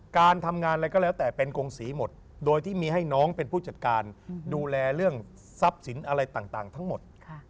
การทำงานอะไรก็แล้วแต่เป็นกงศรีหมดโดยที่มีให้น้องเป็นผู้จัดการดูแลเรื่องทรัพย์สินอะไรต่างทั้งหมด